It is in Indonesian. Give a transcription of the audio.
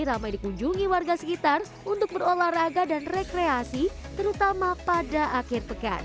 ramai dikunjungi warga sekitar untuk berolahraga dan rekreasi terutama pada akhir pekan